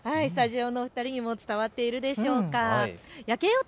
スタジオのお二人にも伝わっているでしょうか。